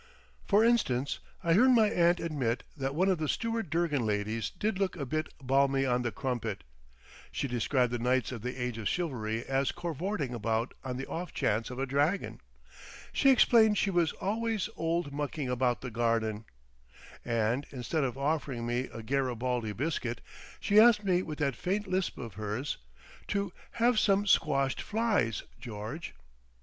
For instance, I heard my aunt admit that one of the Stuart Durgan ladies did look a bit "balmy on the crumpet"; she described the knights of the age of chivalry as "korvorting about on the off chance of a dragon"; she explained she was "always old mucking about the garden," and instead of offering me a Garibaldi biscuit, she asked me with that faint lisp of hers, to "have some squashed flies, George."